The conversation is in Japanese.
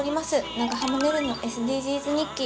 「長濱ねるのＳＤＧｓ日記」